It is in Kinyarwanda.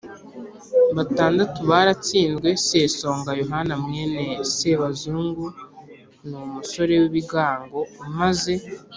batandatu baratsinzwe sesonga yohani mwene sebazungu ni umusore w’ibigango umaze